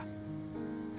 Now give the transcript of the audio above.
herman sudah putus sekolah